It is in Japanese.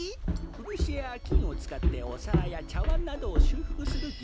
ウルシやきんをつかっておさらやちゃわんなどをしゅうふくするぎ